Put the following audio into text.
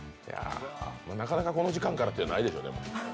なかなかこの時間からってないでしょう？